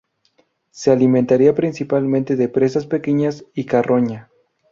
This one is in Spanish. Se alimentaría principalmente de presas pequeñas y carroña.